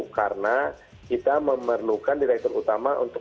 karena kita memerlukan direktur utama untuk